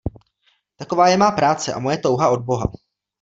Taková je má práce a moje touha od boha.